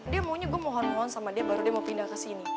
dia maunya gue mohon mohon sama dia baru dia mau pindah ke sini